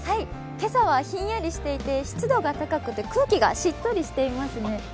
今朝はひんやりしていて湿度が高くて空気がひんやりしていますよね。